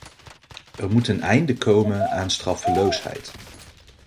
Er moet een einde komen aan straffeloosheid.